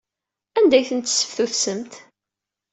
Anda ay ten-tesseftutsemt?